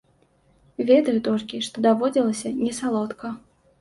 Ведаю толькі, што даводзілася не салодка.